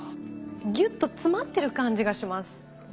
ギュッと詰まってる感じがします。